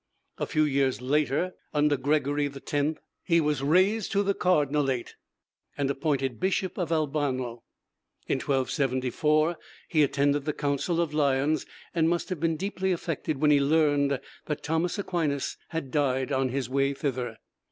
A few years later, under Gregory X., he was raised to the cardinalate and appointed bishop of Albano. In 1274 he attended the Council of Lyons, and must have been deeply affected when he learned that Thomas Aquinas had died on his way thither.